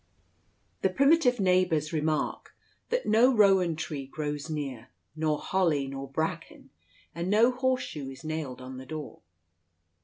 The primitive neighbours remark that no rowan tree grows near, nor holly, nor bracken, and no horseshoe is nailed on the door.